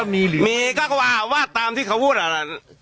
มีก็ว่าว่าตามที่เขาพูดอ่ะนะ